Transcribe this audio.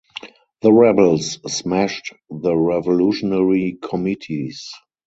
The rebels smashed the revolutionary committees.